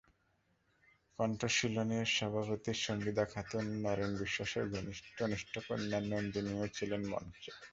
কণ্ঠশীলনের সভাপতি সন্জীদা খাতুন, নরেন বিশ্বাসের কনিষ্ঠ কন্যা নন্দিনীও ছিলেন মঞ্চে।